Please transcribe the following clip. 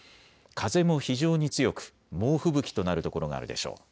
風も非常に強く猛吹雪となる所があるでしょう。